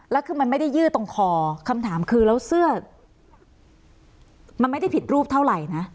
แล้วคือมันไม่ได้ยืดตรงคอคำถามคือแล้วเสื้อมันไม่ได้ผิดรูปเท่าไหร่นะ